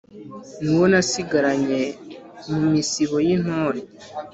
N'uwo nasigiranye mu misibo y'intore;